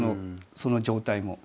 その状態も。